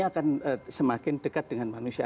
akan semakin dekat dengan manusia